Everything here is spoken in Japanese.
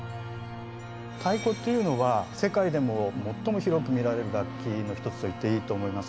太鼓っていうのは世界でも最も広く見られる楽器の一つと言っていいと思います。